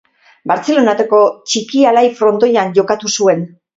Bartzelonako Txiki-Alai frontoian jokatu zuen.